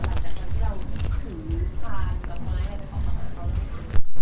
หลังจากที่เราถือฝากกลับมาให้ของเรา